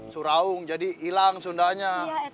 suraung jadi hilang sundanya